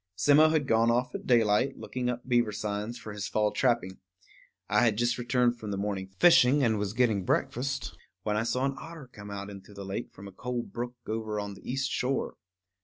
Simmo had gone off at daylight, looking up beaver signs for his fall trapping. I had just returned from the morning fishing, and was getting breakfast, when I saw an otter come out into the lake from a cold brook over on the east shore.